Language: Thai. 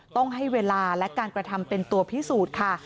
ต้องให้เวลาและการกระทำเป็นตัวพิสูจน์ค่ะ